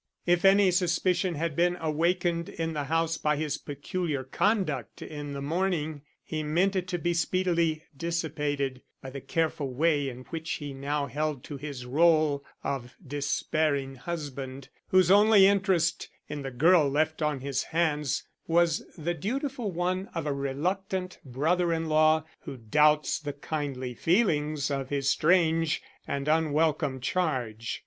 If any suspicion had been awakened in the house by his peculiar conduct in the morning, he meant it to be speedily dissipated by the careful way in which he now held to his rôle of despairing husband whose only interest in the girl left on his hands was the dutiful one of a reluctant brother in law, who doubts the kindly feelings of his strange and unwelcome charge.